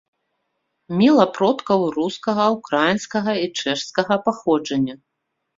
Мела продкаў рускага, украінскага і чэшскага паходжання.